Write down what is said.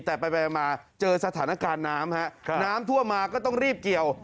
แต่ไปมาเจอสถานการณ์น้ำฮะน้ำท่วมมาก็ต้องรีบเกี่ยว